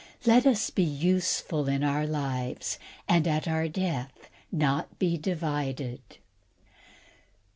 Let us be useful in our lives, and at our death not divided."